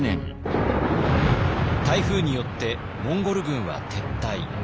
台風によってモンゴル軍は撤退。